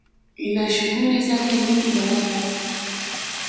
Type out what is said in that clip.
Ina shughuli zake nyingi barani Afrika